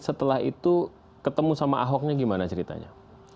setelah itu ketemu sama ahoknya gimana ceritanya